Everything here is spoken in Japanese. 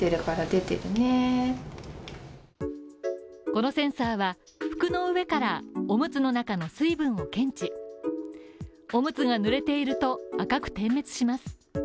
このセンサーは、服の上からオムツの中の水分を検知、オムツが濡れていると赤く点滅します。